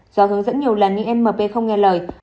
do hướng dẫn nhiều lần nhưng mp không nghe lời